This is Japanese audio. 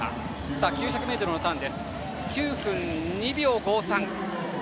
９００ｍのターン、９分２秒５３。